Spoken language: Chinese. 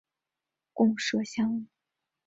贡麝香。